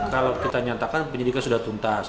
kalau kita nyatakan penyidikan sudah tuntas